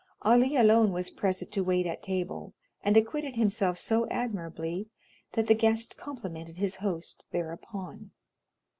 Ali alone was present to wait at table, and acquitted himself so admirably, that the guest complimented his host thereupon.